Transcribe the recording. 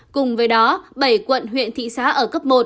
cùng với đó bảy quận huyện thị xã ở cấp một